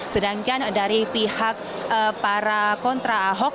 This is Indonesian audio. sedangkan dari pihak para kontra ahok